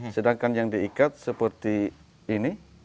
sedangkan yang diikat seperti ini